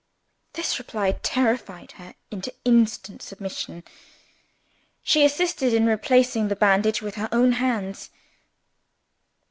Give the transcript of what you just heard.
This reply terrified her into instant submission. She assisted in replacing the bandage with her own hands.